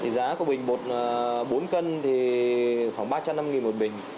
giá của bình bột bốn cân thì khoảng ba trăm năm mươi một bình